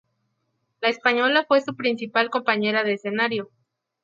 La española fue su principal compañera de escenario.